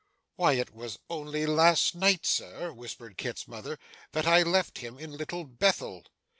'Why it was only last night, sir,' whispered Kit's mother, 'that I left him in Little Bethel.